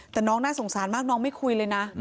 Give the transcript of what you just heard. แต่น้องน่าสงสารมากน้องไม่คุยเลยนะ